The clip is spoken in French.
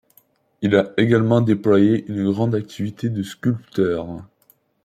Il a également déployé une grande activité de sculpteur.